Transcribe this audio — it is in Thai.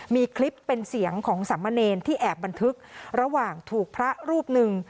มีคลิปเป็นเสียงของสามเณรที่แอบบันทึกระหว่างถูกพระรูปหนึ่ง